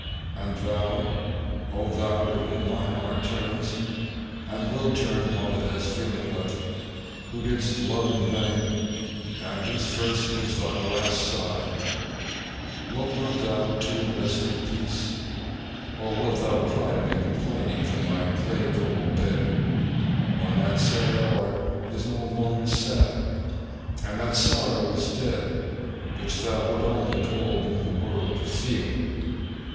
And thou, oh! thou, to whom my heart turns, and will turn while it has feeling left, who didst love in vain, and whose first was thy last sigh, wilt not thou too rest in peace (or wilt thou cry to me complaining from thy clay cold bed) when that sad heart is no longer sad, and that sorrow is dead which thou wert only called into the world to feel!